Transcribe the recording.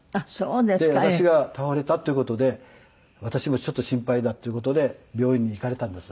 で私が倒れたっていう事で私もちょっと心配だっていう事で病院に行かれたんです。